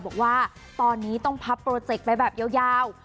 บอกว่าตอนนี้ต้องพับโปรเจกต์ไปแบบยาว